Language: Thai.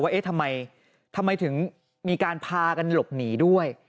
เอ๊ะทำไมถึงมีการพากันหลบหนีด้วย